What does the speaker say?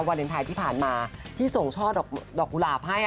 วาเลนไทยที่ผ่านมาที่ส่งช่อดอกกุหลาบให้